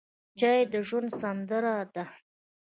چای د ژوند سندره ده.